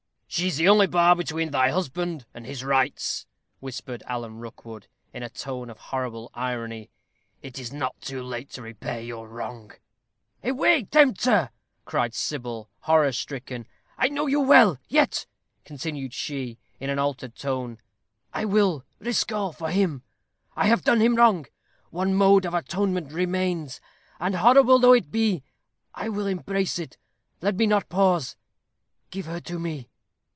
"She is the only bar between thy husband and his rights," whispered Alan Rookwood, in a tone of horrible irony; "it is not too late to repair your wrong." "Away, tempter!" cried Sybil, horror stricken. "I know you well. Yet," continued she, in an altered tone, "I will risk all for him. I have done him wrong. One mode of atonement remains; and, horrible though it be, I will embrace it. Let me not pause. Give her to me."